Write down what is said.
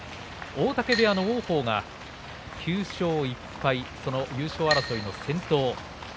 大嶽部屋の王鵬、９勝１敗優勝争いの先頭です。